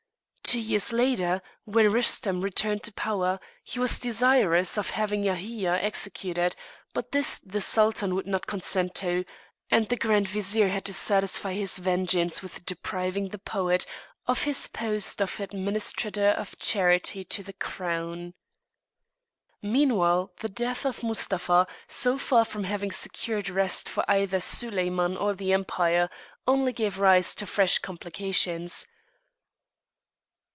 Two years later, when Rustem returned to power, he was desirous of having Yahïa executed, but this the Sultan would not consent to; and the Grand Vizier had to satisfy his vengeance with depriving the poet of his post of Administrator of Charity to the crown. Meanwhile the death of Mustapha, so far from having secured rest for either Soliman or the Empire, only gave rise to fresh complications.